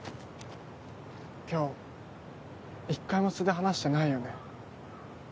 今日一回も素で話してないよね？